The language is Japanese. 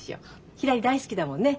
ひらり大好きだもんね？